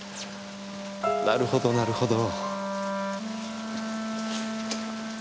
なるほどなるほど。